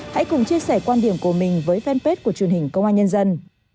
hãy cùng chia sẻ quan điểm của mình với fanpage của truyền hình công an nhân dân